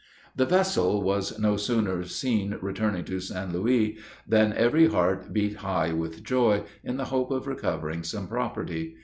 The vessel was no sooner seen returning to St. Louis, than every heart beat high with joy, in the hope of recovering some property.